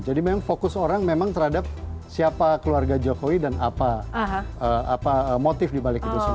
jadi memang fokus orang memang terhadap siapa keluarga jokowi dan apa motif dibalik itu semua